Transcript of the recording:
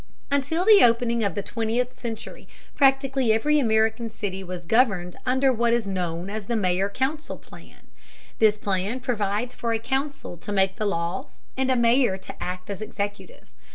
Until the opening of the twentieth century practically every American city was governed under what is known as the mayor council plan. This plan provides for a council to make the laws, and a mayor to act as executive.